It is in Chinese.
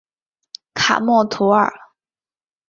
卡默图尔。